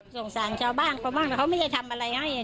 สงสารชาวบ้านเขาบ้างแต่เขาไม่ได้ทำอะไรให้